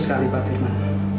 betul sekali pak firman